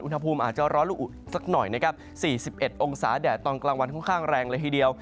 อุณหภูมิอาจจะร้อนลูกอุสักหน่อยนะครับ๔๑องศาแดดตอนกลางวันค่อนข้างแรงเลยทีเดียว